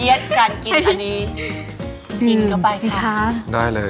ยัดเอียดการกินอันนี้